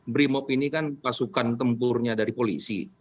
brimop ini kan pasukan tempurnya dari polisi